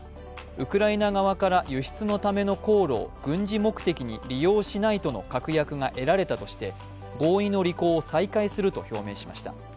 ウクライナ側から輸出のための航路を軍事目的に利用しないとの確約が得られたとして合意の履行を再開すると表明しました。